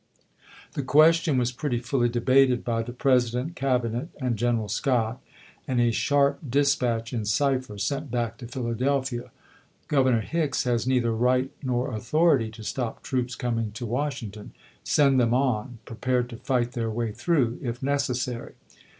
The question was pretty fully debated by the President, Cabinet, and General Scott, and a sharp dispatch in cipher sent back to Philadelphia: "Governor Hicks has neither right nor authority to stop troops coming to Washing ton. Send them on, prepared to fight their way through, if necessary."